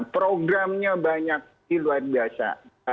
programnya banyak luar biasa